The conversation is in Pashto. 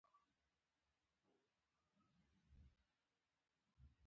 هغه وویل چې دا د حکم پیغام دی او شرکتونه باید درناوی ولري.